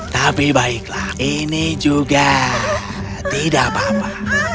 tapi baiklah ini juga tidak apa apa